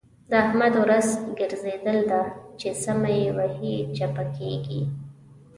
د احمد ورځ ګرځېدل ده؛ چې سمه يې وهي - چپه کېږي.